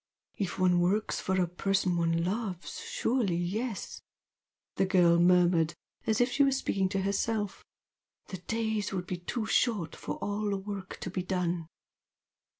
"If one works for a person one loves, surely yes!" the girl murmured as if she were speaking to herself, "The days would be too short for all the work to be done!"